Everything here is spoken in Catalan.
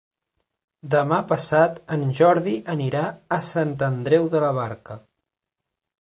Demà passat en Jordi anirà a Sant Andreu de la Barca.